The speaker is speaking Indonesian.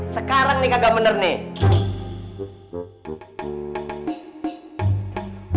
sekarang nih kagak bener nih